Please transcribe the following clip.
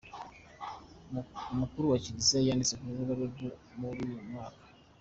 Umukuru wakiriziya yanditse kurubuga rwe muruyu mwaka